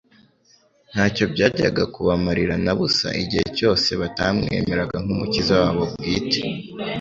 ntacyo byajyaga kubamarira na busa igihe cyose batamwemeraga nk'Umukiza wabo bwite.